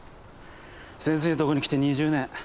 先生んとこに来て２０年。